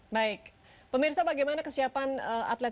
baik pemirsa bagaimana kesiapan atlet